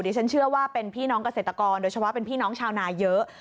ฉันเชื่อว่าเป็นพี่น้องเกษตรกรโดยเฉพาะเป็นพี่น้องชาวนาเยอะ